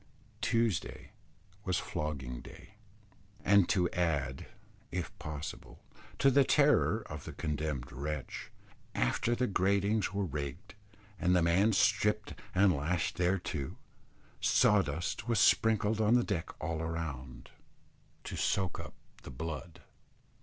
Tuesday was flogging day; and to add, if possible, to the terror of the condemned wretch, after the gratings were rigged and the man stripped and lashed thereto, sawdust was sprinkled on the deck all round, to soak up the blood.